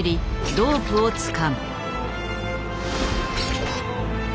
ロープをつかむ。